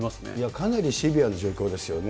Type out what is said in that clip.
かなりシビアの状況ですよね。